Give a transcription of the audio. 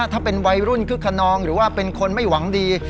ถ้าเป็นวัยรุ่นคึกขนองหรือว่าเป็นคนไม่หวังดี